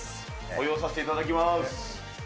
保養させていただきます。